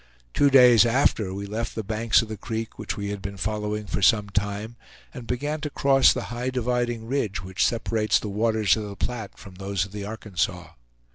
Two days after, we left the banks of the creek which we had been following for some time, and began to cross the high dividing ridge which separates the waters of the Platte from those of the Arkansas.